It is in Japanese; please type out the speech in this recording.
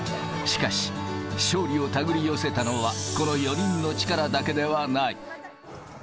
しかし、勝利を手繰り寄せたのはこの４人の力だけではない。